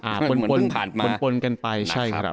เหมือนผ่านกันไป